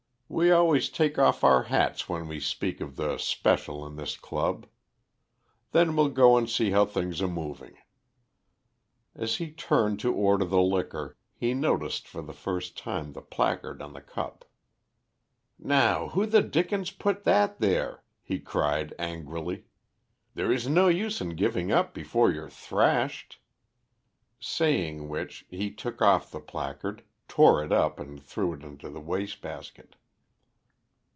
We always take off our hats when we speak of the Special in this club. Then we'll go and see how things are moving." As he turned to order the liquor he noticed for the first time the placard on the cup. "Now, who the dickens put that there?" he cried angrily. "There's no use in giving up before you're thrashed." Saying which, he took off the placard, tore it up, and threw it into the waste basket.